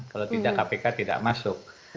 kalau tidak kpk tidak masuk